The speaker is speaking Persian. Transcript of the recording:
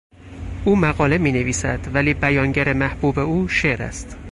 او مقاله مینویسند ولی بیانگر محبوب او شعر است.